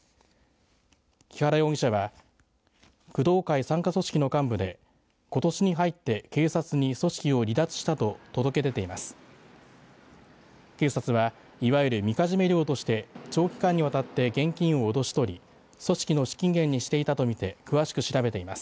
木原容疑者は工藤会傘下組織の幹部でことしに入って警察に組織を離脱したと届け出ています。